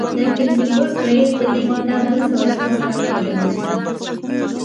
د کرکټ بورډ رئیس د دې کتاب دوه سوه جلده پېرلي دي.